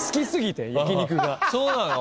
そうなの？